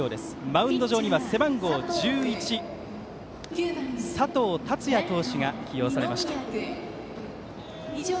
マウンド上には背番号１１佐藤起也投手が起用されました。